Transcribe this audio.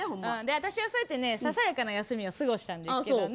私はそうやってささやかな休みを過ごしたんですけどね。